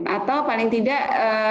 atau paling tidak